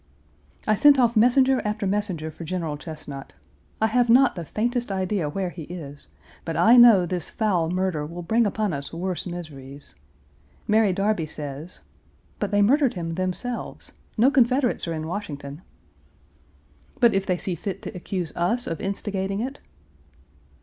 I sent off messenger after messenger for General Chesnut. I have not the faintest idea where he is, but I know this foul murder will bring upon us worse miseries. Mary Darby says, "But they murdered him themselves. No Confederates are in Washington." "But if they see fit to accuse us of instigating it?"